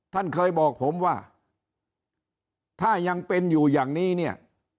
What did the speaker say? ท่านเคยบอกผมว่าถ้ายังเป็นอยู่อย่างนี้เนี่ย